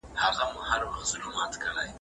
ادبي سرچینې په دې اړه کمې دي.